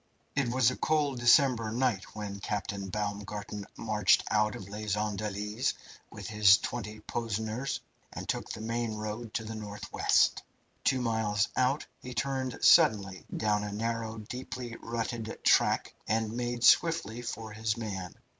It was a cold December night when Captain Baumgarten marched out of Les Andelys with his twenty Poseners, and took the main road to the north west. Two miles out he turned suddenly down a narrow, deeply rutted track, and made swiftly for his man.